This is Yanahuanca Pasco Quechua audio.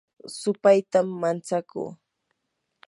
supaytam manchakuu